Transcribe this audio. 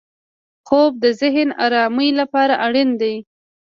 خوب د ذهن ارامۍ لپاره اړین دی